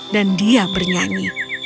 dan dia bernyanyi